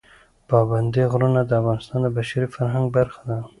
پابندی غرونه د افغانستان د بشري فرهنګ برخه ده.